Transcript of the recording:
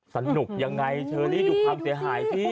สนุกยังไงเชอรี่ดูความเสียหายสิ